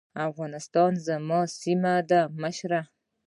افغانستان زما سيمه ده مشره.